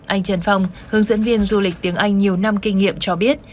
anh trần phong hướng dẫn viên du lịch tiếng anh nhiều năm kinh nghiệm cho biết